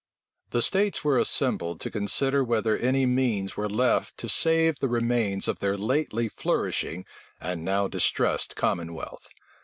The states were assembled to consider whether any means were left to save the remains of their lately flourishing and now distressed commonwealth.